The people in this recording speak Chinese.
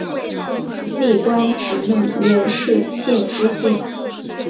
历官直隶元氏县知县。